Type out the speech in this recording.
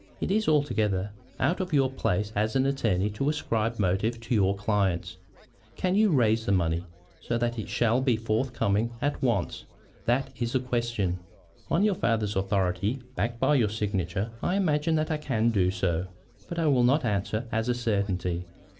It is altogether out of your place as an attorney to ascribe motives to your clients. Can you raise the money, so that it shall be forthcoming at once? That is the question." "On your father's authority, backed by your signature, I imagine that I can do so. But I will not answer as a certainty.